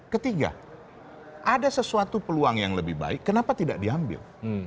ketiga ada sesuatu peluang yang lebih baik kenapa tidak diambil